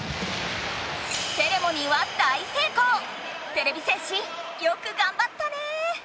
てれび戦士よくがんばったね！